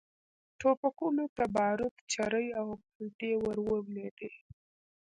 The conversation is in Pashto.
ټوپکونو ته باروت، چرې او پلتې ور ولوېدې.